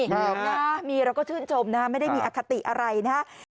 มากนะฮะมีเราก็ชื่นชมนะไม่ได้มีอคติอะไรนะ